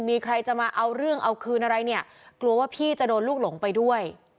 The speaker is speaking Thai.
มีใครจะมาเอาเรื่องเอาคืนอะไรเนี่ยกลัวว่าพี่จะโดนลูกหลงไปด้วย